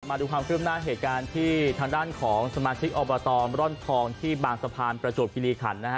มาดูความขึ้นหน้าเหตุการณ์ที่ทางด้านของสมาชิกอบตร่อนทองที่บางสะพานประจวบคิริขันนะฮะ